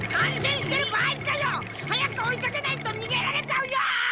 早く追いかけないとにげられちゃうよ！